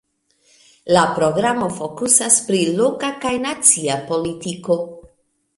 La programo fokusas pri loka kaj nacia politiko.